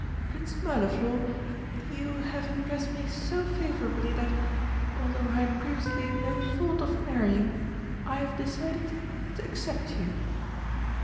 Prince Mirliflor, you have impressed me so favourably that, although I had previously no thought of marrying, I have decided to accept you."